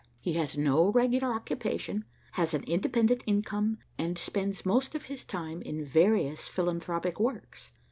He has no regular occupation, has an independent income, and spends most of his time in various philanthropic works.